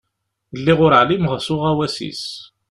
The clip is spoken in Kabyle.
Lliɣ ur εlimeɣ s uɣawas-is.